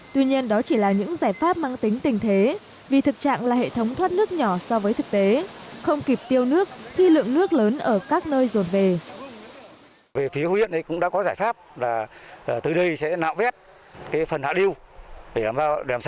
tuy nhiên đó chỉ là những giải pháp mang tính tình thế vì thực trạng là hệ thống thoát nước nhỏ so với thực tế không kịp tiêu nước khi lượng nước lớn ở các nơi dồn về